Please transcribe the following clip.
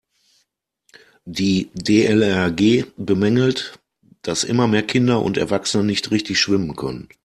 Die DLRG bemängelt, dass immer mehr Kinder und Erwachsene nicht richtig schwimmen können.